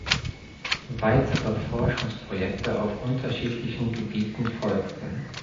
Weitere Forschungsprojekte auf unterschiedlichen Gebieten folgten.